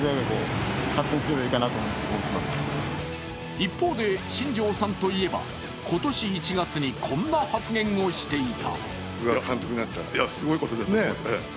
一方で新庄さんといえば今年１月にこんな発言をしていた。